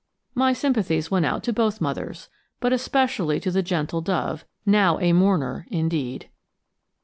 My sympathies went out to both mothers, but especially to the gentle dove, now a mourner, indeed.